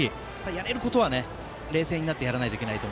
やれることは冷静になってやらないといけませんが。